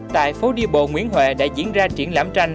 tại phố đi bộ nguyễn huệ đã diễn ra triển lãm tranh